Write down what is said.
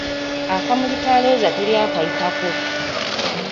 Akamuli ka Looza teri akayitako!